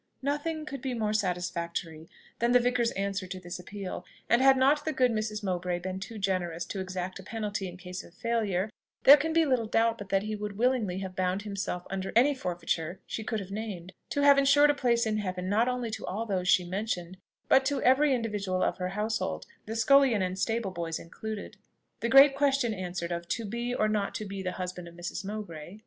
Nothing could be more satisfactory than the vicar's answer to this appeal, and had not the good Mrs. Mowbray been too generous to exact a penalty in case of failure, there can be little doubt but that he would willingly have bound himself under any forfeiture she could have named, to have ensured a place in heaven, not only to all those she mentioned, but to every individual of her household, the scullion and stable boys included. The great question answered of "To be or not to be the husband of Mrs. Mowbray?"